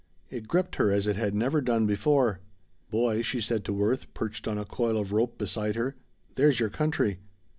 It gripped her as it had never done before. "Boy," she said to Worth, perched on a coil of rope beside her, "there's your country.